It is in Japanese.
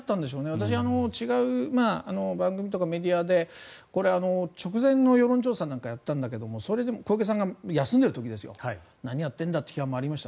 私、違う番組とかメディアでこれ、直前の世論調査をやったんだけど小池さんが休んでいる時ですよ何やってるんだという批判もありました。